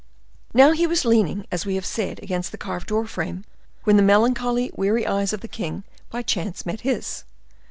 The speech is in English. Now, he was leaning, as we have said, against the carved door frame when the melancholy, weary eyes of the king, by chance, met his.